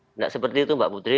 tidak seperti itu mbak putri